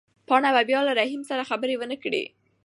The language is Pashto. پاڼه به بیا له رحیم سره خبرې ونه کړي.